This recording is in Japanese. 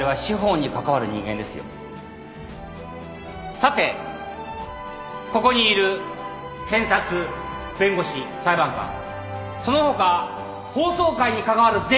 さてここにいる検察弁護士裁判官その他法曹界に関わる全員に聞きます。